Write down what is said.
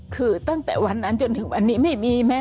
คือตั้งแต่วันนั้นจนถึงวันนี้ไม่มีแม้